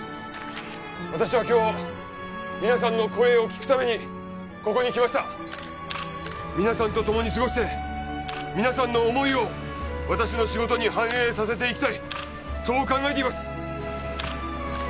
私は今日皆さんの声を聞くためにここに来ました皆さんとともに過ごして皆さんの思いを私の仕事に反映させていきたいそう考えています